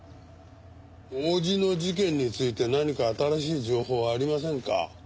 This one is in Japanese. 王子の事件について何か新しい情報はありませんか？